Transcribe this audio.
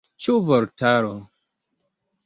Ĉu vortaro?